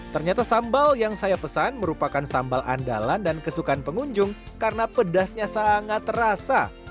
ternyata sambal yang saya pesan merupakan sambal andalan dan kesukaan pengunjung karena pedasnya sangat terasa